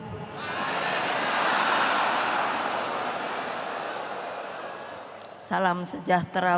assalamualaikum warahmatullahi wabarakatuh